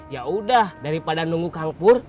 ya udah daripada nunggu kang pur